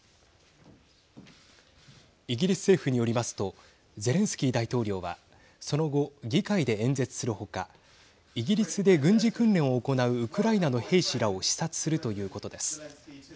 イギリス政府によりますとゼレンスキー大統領はその後、議会で演説する他イギリスで軍事訓練を行うウクライナの兵士らを視察するということです。